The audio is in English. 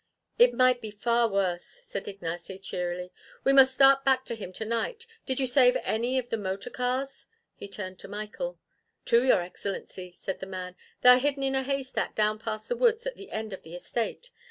"It might be far worse," said Ignace cheerily. "We must start back to him tonight. Did you save any of the motor cars?" He turned to Michael. "Two, your Excellency," said the man. "They are hidden in a haystack down past the woods at the end of the estate.